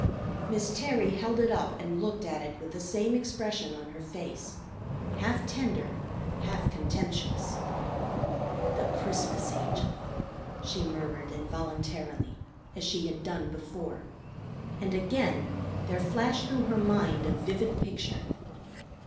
Miss Terry held it up and looked at it with the same expression on her face, half tender, half contemptuous. "The Christmas Angel!" she murmured involuntarily, as she had done before. And again there flashed through her mind a vivid picture.